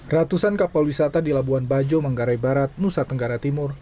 ratusan kapal wisata di labuan bajo manggarai barat nusa tenggara timur